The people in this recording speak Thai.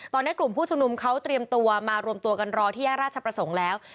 ตอนนี้กลุ่มผู้ชุมนุมเขาเตรียมตัวมารวมตัวกันรอที่แยกราชประสงค์แล้ว